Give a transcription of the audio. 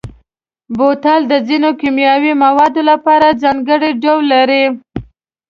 بوتل د ځینو کیمیاوي موادو لپاره ځانګړی ډول لري.